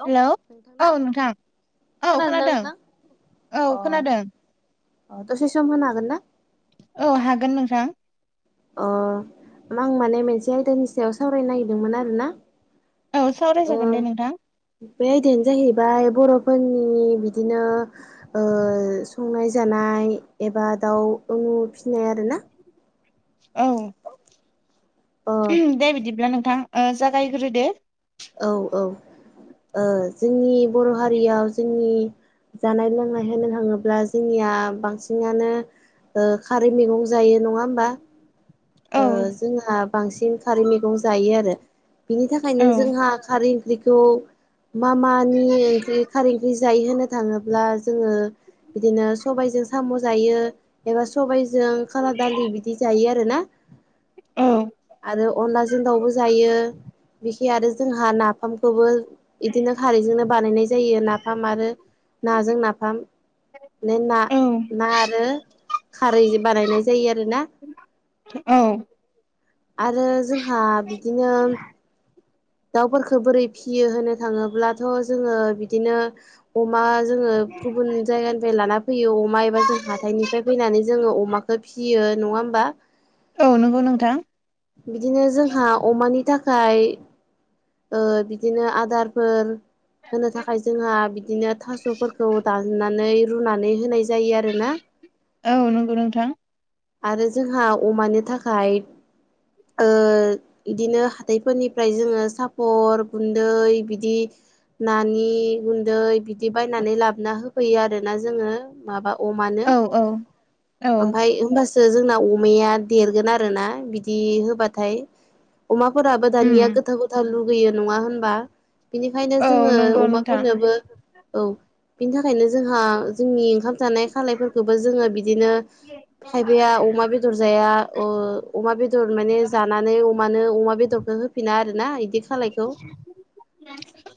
Hello नोंथां औ खोनादोंदां खोनादों नोंथां औ अ खोनादों अ दसे सम होनो हागोन ना औ हागोन नोंथां अ आं माने मोनसे आयदानि सायाव सावरायनो नागिरदोंमोन आरो ना औ सावराय जागोन दे नोंथां बे आयदायानो जाहैबाय बर'फोरनि बिदिनो संनाय जानाय एबा दाउ नु फिसिनाय आरो ना औ अ दे बिदिब्ला नोंथां जागायग्रो दे औ औ जोंनि बर' हारियाव जोंनि जानाय लोंनाय होनो थाङोब्ला जोंनिया बांसिनानो ओ खारै मैगं जायो नङा होमबा औ जोंहा बांसिन खारै मैगं जायो आरो बिनि थाखायनो औ जोंहा खारै ओंख्रिखौ मा मानि ओंख्रि खारै ओंख्रि जायो होननो थाङोब्ला जोङो बिदिनो सबायजों साम' जायो एबा सबाइजों खाला दालि बिदि बिदि जायो आरो ना औ आरो अनलाजों दाउबो जायो बिखि आरो जोंहा नाफामखौबो बिदिनो खारैजोंनो बानायनाय जायो नाफाम आरो नाजों नाफाम म ना औ ना आरो खारै बानायनाय जायो आरो ना औ आरो जोंहा बिदिनो दाउफोरफोरखौ बोरै फिसियो होनो थाङोब्लाथ' जोङो बिदिनो अमा जोङो गुबुन जायगानिफ्राय लाना फैयो अमा एबा जों हाथाइनिफ्राय फैनानै जोङो अमाखौ फियो नङा होमबा औ नंगौ नोंथां बिदिनो जोंहा अमानि थाखाय बिदिनो आदारफोर होनो थाखाय जोंहा बिदिनो थास'फोरखौ दाननानै रुनानै होनाय जायो आर ना औ नंगौ नोंथां। आरो जोंहा अमानि थाखाय। ओ-इदिनो हाथाइफोरनिफ्राय जोङो साफ फर गुन्दै बिदि नानि गुन्दै बिदि बायनानै लाबोना होफैयो आरो ना जोङो माबा अमानो औ औ औ ओमफ्राय होमबासो। सो जोंना अमाया देरगोन आरो ना बिदि होबाथाय। अमाफोराबो उम दानिया गोथाव गोथाव लुगैयो नङा होनबा। बिनिखायनो औ जोङो नंगौ नोंथां अमाफोरनोबो। औ बिनि थाखायनो जोंहा जोंनि ओंखाम जानाय खालायफोरखौबो जोङो बिदिनो खायफाया अमा बेदर जाया ओ अमा बेदर माने जानानै अमानो अमा बेदरखौ होफिना आरोना इद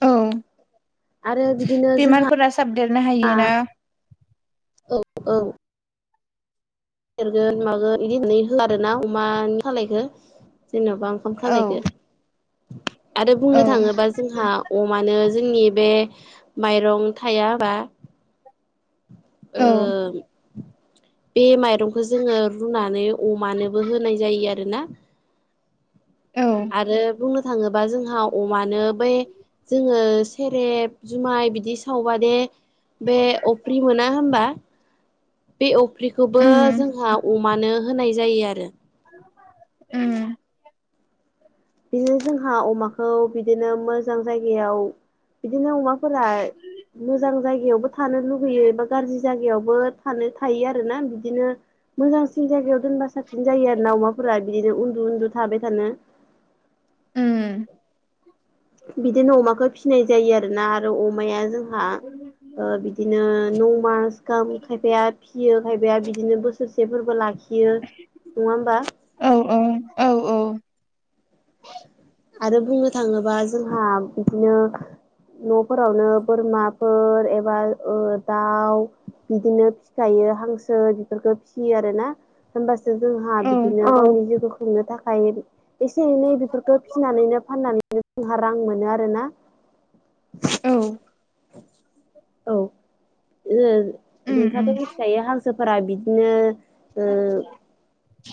औ आरो बिदिनो जोंहा। फोसाबदेरनो हायोना। औ औ देरगोन मागोन इदि होननानै होआ आरोना अमानि खाालायखौ जेनबा औ ओंखालायखो आरो औ बुंनो थाङोबा जो जोंहा अमानो जोंनि बे माइरं थायाबा औ ओम बे मा रंखौ जोङो रुनानै अमानोबो होनाय जायो आरना। औ आरो बुंनो थाङोबा जोंहा अमानो बै। जोङो सेरेब जुमाय बिदि सावबा दे बे अफ्रि मोना होमबा। बे अफ्रिखौबो उम जोंहा अमानो होनाय जायो आरो। उम बिदिनो जोंहा अमाखौ बिदिनो मोजां जायगायाव। बिदिनो अमाफोरा मोजां जायगायावबो थानो लुगैयो एबा गाज्रि जायगायाव बो थानो थायो आरो ना बिदिनो मोजांसिन जायगायाव दोनबा साबसिन जायो आरो ना अमाफोरा। बिदिनो उन्दु उन्दु थाबाय थानो। उम बिदिनो अमाखौ फिसिनाय जायो आरोना आरो अमाया जोंहा। ओ-बिदिनो नौ मास गाहाम खायफाया फियो खायफाया बिदिनो बोसोरसेफोरबो लाखि बियो नङा होमबा। औ औ औ औ आरो बुंनो थाङोबा जोंहा बिदिनो। नफोरावनो बोरमाफोर एबा ओ-दाउ बिदिनो फिखायो हांसो बेफोरखौ फियो आरोना। होमबासो जोंहा औ बिदिनो गावनि जिउखौ खुंनो थाखाय एसे एनै बेफोरखो फाननानैनो फाननानै जोंहा रां मोनो आरोना। औ औ [unintelligible] उम नोंथांआथ उम मिथिखायो हांसो फोरा बिदिनो ओ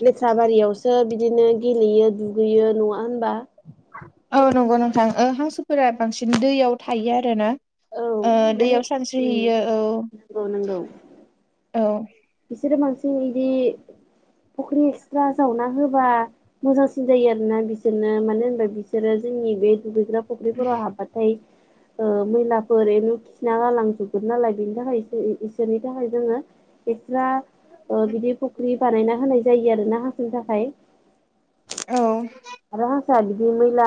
लेथ्रा बारियावसो बिदिनो गेलेयो दुगैयो नङा होनबा। औ नंगौ नोंथां ओ-हांसोफोरा बांसिन दैयाव थायो आरो ना। औ माने ओ-दैयाव उम सानस्रिहैयो औ नंगौ नंगौ औ। बिसोरो बांसिन इदि फुख्रि एक्सट्रा जावना होबा। मोजांसिन जायो आरोना बिसोरनो मानो होनबा बिसोरो जोंनि बे दुगैग्रा फख्रिफोराव हाबा। थाय ओ-मैलाफोर एमनो खिना गालांजोबगोन नालाय बेनि थाखाय इसोरनि थाखाय जोङो। ग्रा बिदि फुख्रि बानायना होनाय जायो आरो ना हांसोनि थाखाय औ। आरो हांसोआ बिदि मैला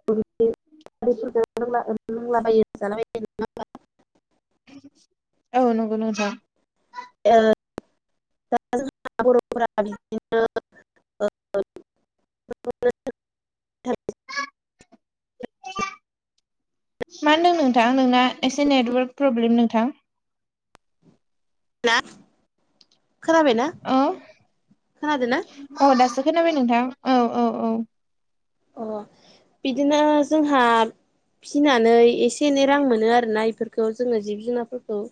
[unintelligible] रोंलाबायो जाला बायो नङा होमबा? औ नंगौ नोंथां। ओ दा जोंहा बर'फोरा बिदिनो बिदिना मा होनदों नोंथां नोंना एसे नेटवारक प्रब्लेम नोंथां। ना खोनाबाय ना औ खोनादों ना? औ दासो खोनाबाय नोंथां औ औ औ। अ बिदिनो जोंहा फिसिनानै एसे एनै रां मोनो आरोना इफोरखौ जोङो जिब जुनारफोरखौ।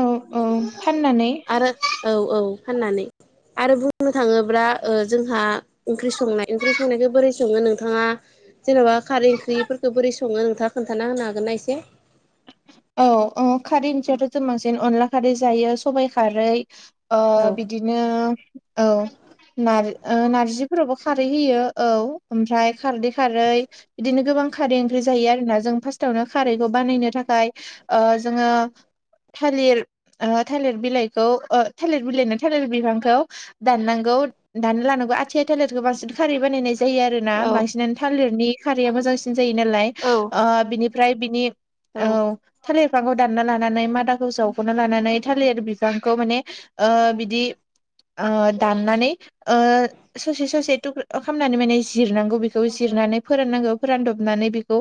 औ औ फाननानै। आरो औ औ फाननानै आरो बुंनो थाङोब्ला जोंहा ओंख्रि संनाय ओंख्रि संनायखौ बोरै सङो नोंथाङा जेन'बा खारै ओंख्रिफोरखौ बोरै सङो नोंथाङा खोन्थाना होनो हागोन ना एसे? औ औ खारै ओंख्रियावथ' बांसिन अनला खारै जायो सबाइ खारै ओ औ बिदिनो औ। नार नारजिफोरावबो खारै होयो औ ओमफ्राय खारदै खारै बिदिनो गोबां खारै ओंख्रि जायो आरो ना जों फार्स्टावनो खारैखौ बानायनो थाखाय ओ जोङो थालिर थालिर बिलाइखौ थालिर बिलाइनो थालिर बिफांखौ दाननांगौ दानना लानांगौ आथिआ थालेरखौ बांसिन खारै बानायनाय जायो आरो ना औ बांसिनानो थालिरनि खारैया मोजांसिन जायो नालाय। औ ओ बिनिफ्राय बिनि औ थालिर बिफांखौ दानना लानानै मादाखौ जावग'ना लानानै थालिर बिफांखौ माने ओ बिदि ओ दाननानै ओ ससे ससे थुख्र खालामनानै माने जिरनांगौ बेखौ जिरनानै फोराननांगौ फोरानदबनानै बेखौ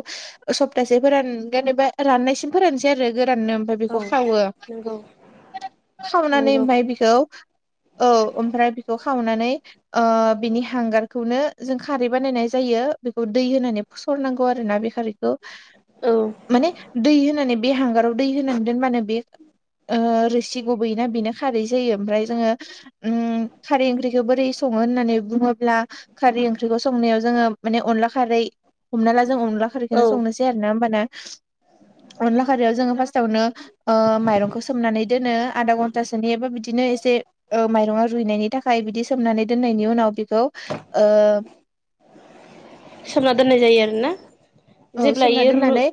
सप्तासे फोरान जेनेबा राननायसिम फोरानसै आरो गोराननो ओमफ्राय औ बेखौ खावो नंगौ सावनानै नंगौ ओमफ्राय बेखौ औ ओमफ्राय बेखौ खावनानै बिनि हांगारखौनो जों खारै बानायनाय जायो। बेखौ दै होनानै सरनांगौ आरोना बे खारैखौ औ माने दै होन माने बे हांगाराव दै होनानै दोनबानोे बे ओ रोसि गबैयोना बेनो खारै जायो ओमफ्राय जोङो उम खारै ओंख्रिखौ बोरै सङो होननानै बुङोब्ला खारै ओंख्रिखौ संनायाव जोङो माने अनला खारै हमना ला जों अनला औ खारैखौनो संनोसै आरो ना होमबाना अनला खारैयाव जोङो फार्स्टावनो ओ माइरंखौ सोमनानै दोनो आधा घन्टासोनि एबा बिदिनो एसे ओ माइरंआ रुइनायनि थाखाय बिदि सोमनानै दोननायनि उनाव बेखौ ओ सोमना दोननाय जायो आरोना। औ जेब्ला सोमना इयो रु दोननानै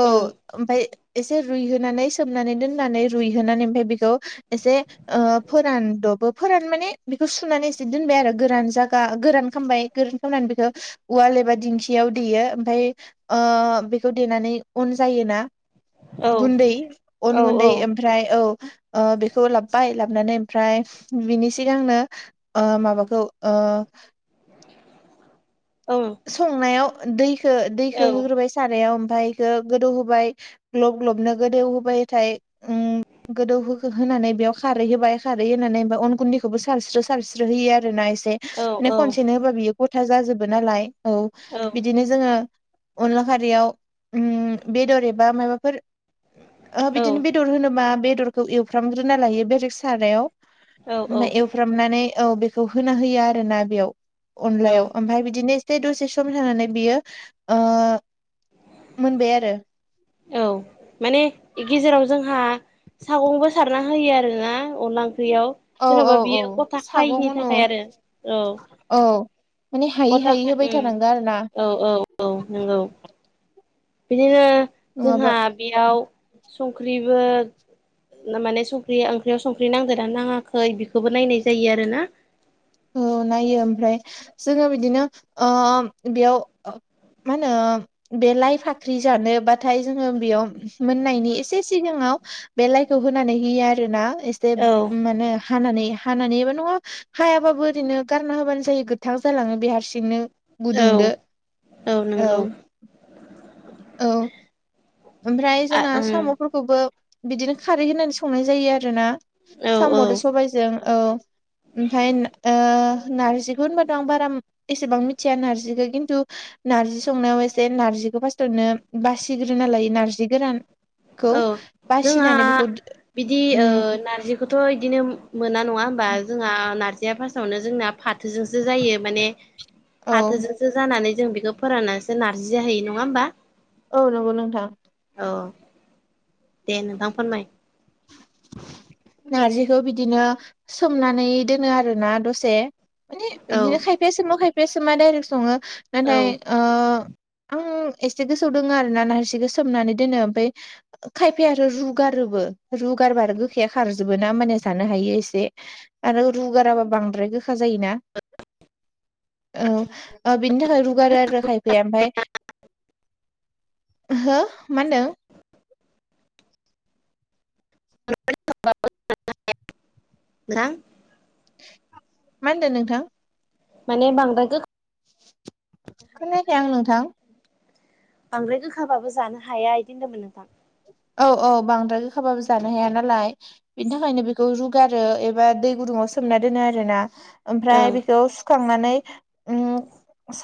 औ ओं ओमफाय एसे रुइहोनानै सोमनानै दोननानै रुइहोनानै ओमफाय बेखौ एसे ओ फोरान दबो फोरान माने बेखौ सुनानै एसे दोनबाय आरो गोरान जागा गोरान खामबाय गोरान बेखौ उवाल एबा दिंखियाव दैेयो ओमफ्राय ओ बेखौ देनानै अन जायोना औ गुन्दै औ अन गुन्दै ओम फ्राय औ ओ बेखौ लाबोबाय लाबोनै ओमफ्राय बिनि सिगांनो ओ माबाखौ ओ औ संनायाव दैखो दैखो औ होग्रोबाय सारायाव ओमफाय एखौ गोदौ होबाय। ग्लब ग्लबनो गोदौवहोबायथाय [inaudible] गोदौ हो हो-होनानै बेयाव खारै होबाय खारै होनानैबो अन गुन्दैखौबो सारस्रो सारस्रो होयो आरोना एसे औ माने औ औ खनसेनो होबा बियो गथा जाजोबो नालाय औ बिदिनो जोङो अनला खारैयाव उम बेदर एबा मायोबाफोर ओ बिदिनो बेदर होनोबा बेदरखौ एवफ्रामग्रोना लायो बेरेक सारायाव औ औ ओफाय एवफ्रामनानै औ बेखौ होना होयो आरोना बेयाव। अनलायाव ओमफाय बिदिनो से दसे सम होनानै बेयो ओ मोनबाय आरो औ माने गेजेराव जोंहा सागंबो सारना होयो आरोना अनला ओंख्रियाव औ औ जेन'बा औ बियो गथा खायिनि साग'न उदु थाखाय आरो औ औ माने हायै गथा हायै होबाय उम थानांगौ आरो ना। औ औ औ नंगौ बिदिनो नङाबा जोंहा बेयाव संख्रिबो माने संख्रि ओंख्रियाव संख्रि नांगोना नाङाखै बेखौबो नायनाय जायो आरो ना। औ नायो ओमफ्राय जोङो बिदिनो ओ बेयाव ओ मा होनो बे लाइ फाख्रि जानोबाथाय जोङो बेयाव मोननायनि एसे सिगाङाव बे लाइखौ होनानै होयो आरो ना एस जेब औ माने हानानै हानानै एबा नङा हाया बाबो ओरैनो गारना होबानो जायो गोथां जालाङो बे हारसिंनो औ गुदुंदो औ औ ओमफ्राय आ जोंना ओं साम'फोर खौबो बिदिनो खारै होनानै संनाय जायो आरोना। औ औ साम'दो सबायजों औ ओमफाय ना ओ नार्जिखौ होनबाथ' आं बारा एसेबां मिथिया नार्जिखौ खिन्थु नार्जि संनायाव एसे नारजिखौ फार्स्टआवनो बासिग्रोना लायो नारजि गोरान औ जोंहा बिदि ओ उम नारजि खौथ' इदिनो मोना नङा होमबा जोंहा नार्जिया फार्स्टआवनो जोंना फा थोजोंसो जायो माने औ फाथोजों थो जानानै जों बेखौ फोराननानैसो नारजि जाहैयो नङा होमबा औ नंगौ नोंथां औ दे नोंथां फोरमायदो नारजिखौ बिदिनो सोमनानै दोनो आरोना दसे माने औ बिदिनो खायफ औ खायफासोमो खायफायासो मा दाइरेक्ट सङो नाथाय ओ आं एसे गोसोआव दोङ आरो ना नारसिंखौ सोमनानै दोनो ओमफ्राय खायफाया आरो रुगारोबो रुगारब आरो गो गोखाया खारजोबो ना माने जानो हायो एसे आरो रुगाराबा बांद्राय गो गोखा जायोना औ ओ बिनि थाखाय रुगारो आरो खायफाया ओमफ्राय हो मा होनदों? [unintelligible] मा होनदों नोंथां? माने बांद्रां गो खोनायाखै आं नोंथां बांद्राय गोखाबाबो जानो हाया बिदि होनदोंमोन नोंथां। औ औ बांद्राय गोखाबाबो जानो हाया नालाय बिनि थाखायनो बेखौ रु गारो एबा दै गुदुंआव सोमना दोनो आरो ना। ओमफ्राय ओं बेखौ सुखांनानै उम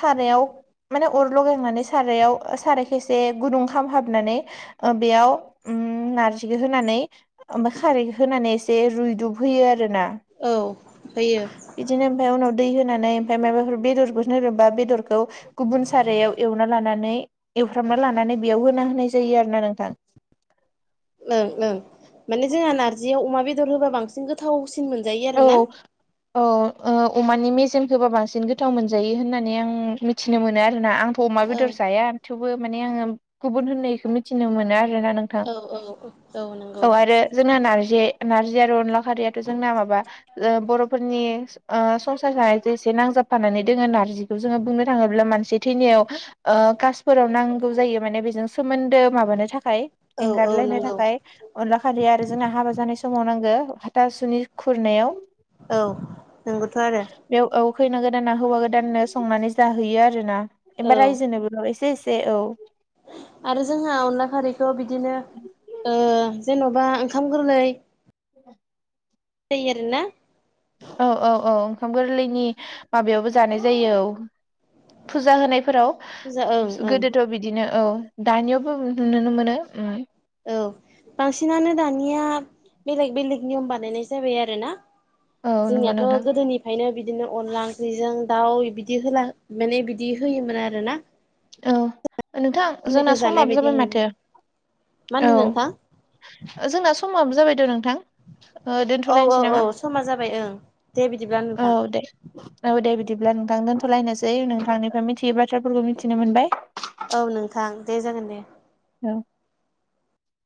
सारायाव माने अर लगायनानै सारायाव साराय खेसे गुदुं खाम हाबनानै ओ बेयाव उम नारजिखौ होनानै ओमफ्राय खारै होनानै एसे रुइदुब होयो आरो ना औ होयो बिदिनो ओमफाय उनाव दै होनानै ओमफाय माबाफोर बेदरखौनो होरोबा बेदरखौ गुबुन सारायाव एवना लानानै एवफ्रामना लानानै बेयाव होना होनाय जायो आरोना नों थां ओं ओं माने जोंहा नारजियाव अमा बेदर होबा बांसिन गोथावसिन मोनजायो आरो औ ना औ ओ अमानि मेजेमखो होबा बांसिन गोथाव मोनजायो होननानै आं मिथिनो मोनो आरोना आं अमा ओं बेदर जाया थेवबो माने आङो गुबुन होननायखौ मिथिनो मोनो आरोना नों औ औ औ औ नंगौ जोंना नारजि नारजि आरो अनला खारियाथ' जोंना माबा बर'फोरनि ओ संसार जे एसे नांजाबफानानै दोङो नार्जिखौ जोङो बुंनो थाङोब्ला मानसि थैनायाव ओ कासफोराव नांगौ जायो माने बेजों सोमोन्दो माबानो थाख खाय औ औ एंगारलायनो नंगौ थाखाय अनला खारि आरो जोंना हाबा जानाय समाव नांगौ हाथासुनि खुरनायाव औ नोंगौथ' आरो बेयाव औ खैना गोदाना हौवा गोदाननो संनानै जाहैयो आरो ना औ एबा रायजोनोबो एसे एसे औ आरो जोंहा अनला खारैखौ बिदिनो ओ जेन'बा ओंखाम गोरलै [inaudible] होयो आरो ना औ औ औ ओंखाम गोरलैनि माबायावबो जानाय जायो औ फुजा होनायफोराव फुजा ओं ओं गोदोथ' बिदिनो औ दानियावबो नुुनो मोनो औ बांसिनानो दानिया बेलेग बेलेग नियम बानायनाय जाबाय आरोना औ नंगौ जोंनियाथ' नोंथां गोदोनि ओंखायनो बिदिनो अनला ओंख्रिजों दाउ बिदि होला माने बिदि होयोमोन आरोना औ नोंथां गोरलैखौ जोंना जानाय समाबो बायदि जाबाय मोनो माथो मा होनदों औ नोंथां? जोंना समाबो जाबायद' नोंथां ओ औ औ दोनथ'लायनोसै औ नामा समा जाबाय ओं दे बिदिब्ला औ नोंथां दे औ दे बिदिब्ला नोंथां दोन्थ'लायनोसै नोंथांनिफ्राय मिथियै बाथ्राफोरखौ मिथिनो मोनबाय औ नोंथां दे जागोन दे औ